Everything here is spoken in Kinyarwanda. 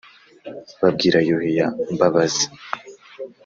babwira yuhi ya mbabazi